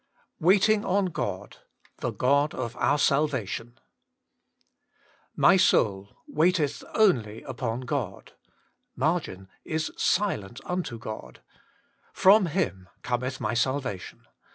WAITING ON GOD: TTbe 0od ot out Salvatiotu 'Hy soul waiteth only upon God '[fnwg: la gilent unto God]; firom Him cozneth my salvation.'